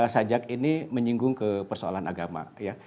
sajak ini menyinggung ke persoalan agama ya